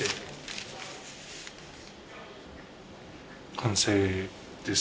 完成です。